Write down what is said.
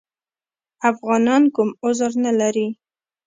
افغانان کوم عذر نه لري.